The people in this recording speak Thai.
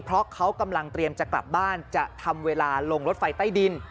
เพราะเขากำลังเตรียมจะกลับบ้านจะทำเวลาลงรถไฟใต้ดิน